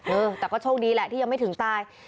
เออแต่ก็โชคดีแหละที่ยังไม่ถึงตาย